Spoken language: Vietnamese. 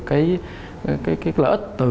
cái lợi ích từ